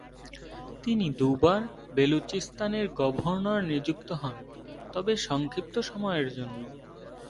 তিনি দু'বার বেলুচিস্তানের গভর্নর নিযুক্ত হন তবে সংক্ষিপ্ত সময়ের জন্য।